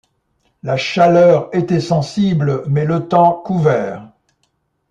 La chaleur était sensible, mais le temps couvert.